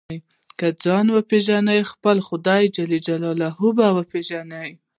که ځان وپېژنې خپل خدای جل جلاله به وپېژنې.